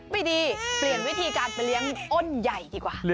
ไม่ดีเปลี่ยนวิธีการไปเลี้ยงอ้นใหญ่ดีกว่า